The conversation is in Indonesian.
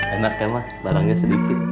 enak ya mah barangnya sedikit